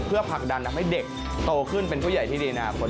เพื่อผลักดันทำให้เด็กโตขึ้นเป็นผู้ใหญ่ที่ดีในอนาคต